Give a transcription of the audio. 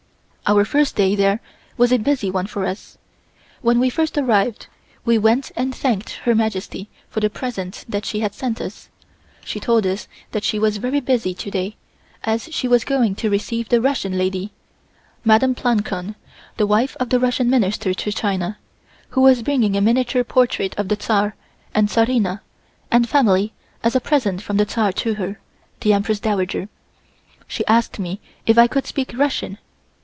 Our first day there was a busy one for us. When we first arrived we went and thanked Her Majesty for the present that she had sent us. She told us that she was very busy to day, as she was going to receive a Russian lady, Madame Plancon, wife of the Russian Minister to China, who was bringing a miniature portrait of the Czar and Czarina and family as a present from the Czar to her, the Empress Dowager. She asked me if I could speak Russian.